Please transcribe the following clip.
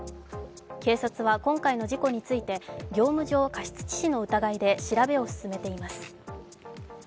警察は今回の事故について、業務上過失致死の疑いで調べを進めています。